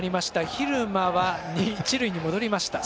蛭間は、一塁に戻りました。